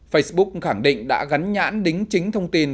facebook khẳng định đã gắn nhãn đính chính thông tin